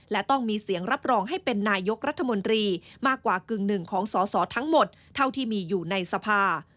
และต้องมีเสียงรับรองให้เป็นนายกรัฐมนตรีมากกว่ากึ่งหนึ่งของสอสอทั้งหมดเท่าที่มีอยู่ในสภา